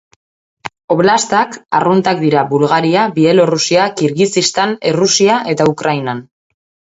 Oblastak arruntak dira Bulgaria, Bielorrusia, Kirgizistan, Errusia eta Ukrainan.